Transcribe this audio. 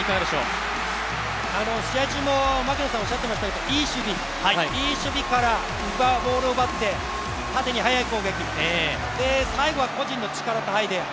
試合中も槙野さんがおっしゃっていましたけどいい守備からボールを奪って、縦に早い攻撃で、最後は個人の力とアイデア。